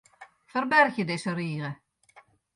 Ferbergje dizze rige.